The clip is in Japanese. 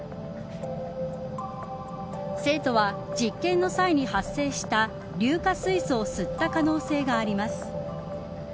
生徒は実験の際に発生した硫化水素を吸った可能性があります。